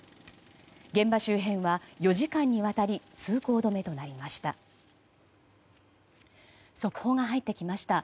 現場周辺は４時間にわたり通行止めとなりました。